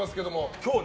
今日ね